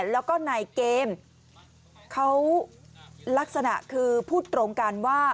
แล้วก็นายเกมเขาลักษณะคือพูดตรงกันว่า